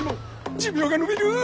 寿命が延びる！